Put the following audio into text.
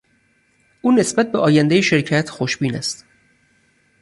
او نسبت به آیندهی شرکت خوشبین است.